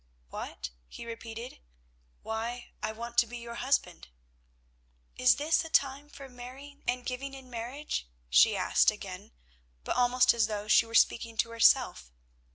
"What?" he repeated; "why I want to be your husband." "Is this a time for marrying and giving in marriage?" she asked again, but almost as though she were speaking to herself.